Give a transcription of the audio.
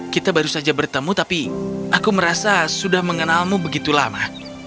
kita baru saja bertemu tapi aku merasa sudah mengenalmu begitu lama